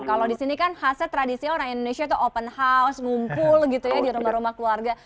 kalau di sini kan khasnya tradisi orang indonesia itu open house ngumpul gitu ya di rumah rumah keluarga